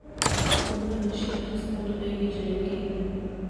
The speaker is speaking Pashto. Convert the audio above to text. لمر له شین اسمان غېږې جلا کېده.